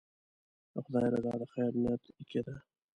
د خدای رضا د خیر نیت کې ده.